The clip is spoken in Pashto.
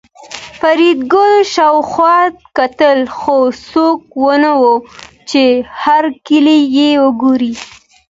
فریدګل شاوخوا کتل خو څوک نه وو چې هرکلی یې وکړي